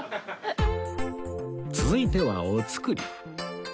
続いては御造り